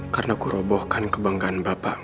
karena ku robohkan kebanggaan bapak